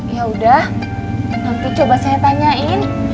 ya udah nanti coba saya tanyain